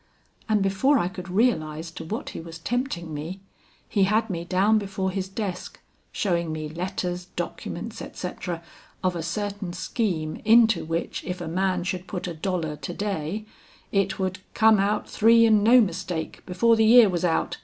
And before I could realize to what he was tempting me, he had me down before his desk, showing me letters, documents, etc., of a certain scheme into which if a man should put a dollar to day, it would 'come out three and no mistake, before the year was out.